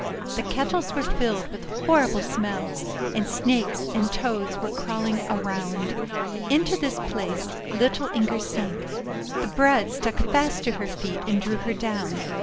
The kettles were filled with horrible smells, and Snakes and Toads were crawling around. Into this place little Inger sank; the bread stuck fast to her feet, and drew her down.